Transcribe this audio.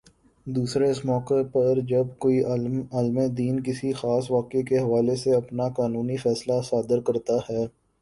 دوسرے اس موقع پر جب کوئی عالمِ دین کسی خاص واقعے کے حوالے سے اپنا قانونی فیصلہ صادر کرتا ہے